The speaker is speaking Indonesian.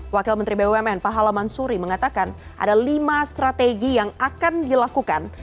wakil menteri bumn pak halaman suri mengatakan ada lima strategi yang akan dilakukan